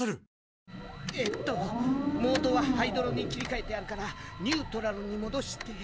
えとモードはハイドロに切りかえてあるからニュートラルにもどして。